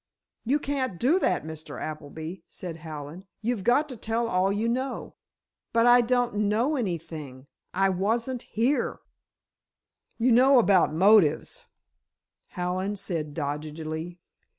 "You can't do that, Mr. Appleby," said Hallen; "you've got to tell all you know." "But I don't know anything! I wasn't here!" "You know about motives," Hallen said, doggedly.